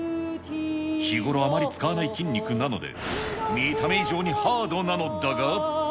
日頃あまり使わない筋肉なので、見た目以上にハードなのだが。